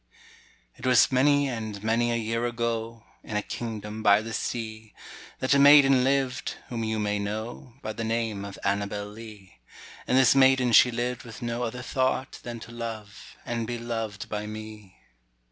It was many and many a year ago, In a kingdom by the sea, That a maiden lived, whom you may know By the name of Annabel Lee; And this maiden she lived with no other thought Than to love, and be loved by me.